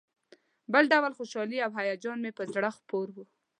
بل ډول خوشالي او هیجان مې پر زړه خپور و.